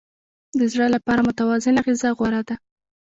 د زړه لپاره متوازنه غذا غوره ده.